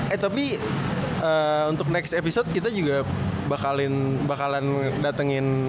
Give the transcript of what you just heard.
eh tapi untuk next episode kita juga bakalan datengin